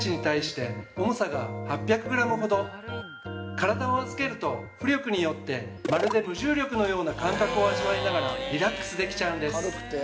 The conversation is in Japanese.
体を預けると、浮力によってまるで無重力のような感覚を味わいながらリラックスできちゃうんです。